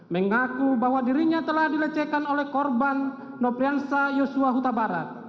mengaku bahwa dirinya telah dilecehkan oleh korban nopriansa yosua huta barat